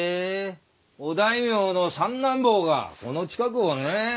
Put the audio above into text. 御大名の三男坊がこの近くをね？